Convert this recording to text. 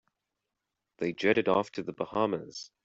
They jetted off to the Bahamas.